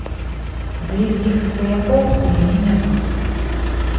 Блізкіх і сваякоў у яе няма.